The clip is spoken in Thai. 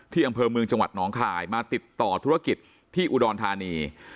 อำเภอเมืองจังหวัดหนองคายมาติดต่อธุรกิจที่อุดรธานี